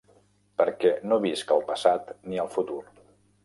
Perquè no visc al passat ni al futur.